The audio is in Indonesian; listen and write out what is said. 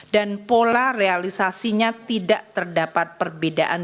dan pola realisasinya tidak terdapat perbedaan